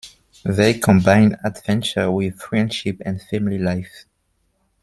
They combine adventure with friendship and family life.